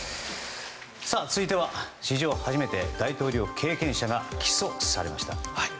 続いては史上初めて大統領経験者が起訴されました。